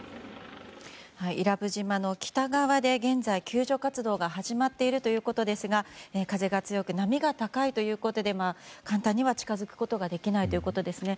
伊良部島の北側で現在、救助活動が始まっているということですが風が強く波が高いということで簡単には近づくことができないということですね。